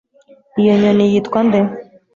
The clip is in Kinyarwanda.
iyo nyoni yitwa nde